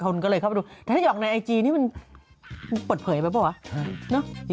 คุณจะรีบไปตายที่ไหนละบอกคะ